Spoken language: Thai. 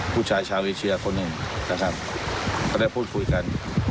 ผู้ชายชาวเอเชียคนหนึ่งนะครับก็ได้พูดคุยกัน